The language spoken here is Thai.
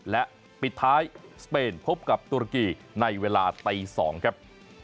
และปิดท้ายสเปนพบกับตุรกีในเวลาตี๒ครับ